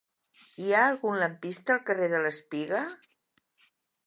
Hi ha algun lampista al carrer de l'Espiga?